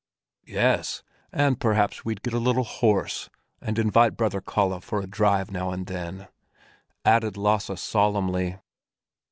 "Yes, and perhaps we'd get a little horse, and invite Brother Kalle for a drive now and then," added Lasse solemnly.